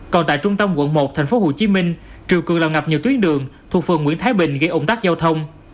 còn tại trung tâm quận một tp hcm triều cường làm ngập nhiều tuyến đường thuộc phường nguyễn thái bình gây ủng tắc giao thông